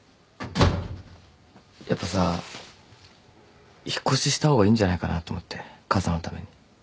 やっぱさ引っ越しした方がいいんじゃないかなと思って母さんのために。